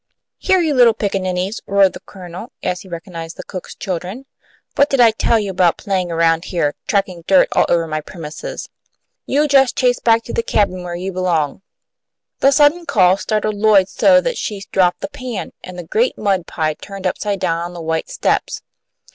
"Here, you little pickaninnies!" roared the Colonel, as he recognized the cook's children. "What did I tell you about playing around here, tracking dirt all over my premises? You just chase back to the cabin where you belong!" The sudden call startled Lloyd so that she dropped the pan, and the great mud pie turned upside down on the white steps.